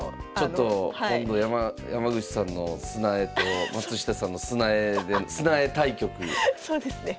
ちょっと今度山口さんの砂絵と松下さんの砂絵で砂絵対局是非やっていただきたい。